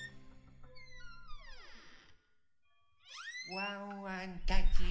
ワンワンたち。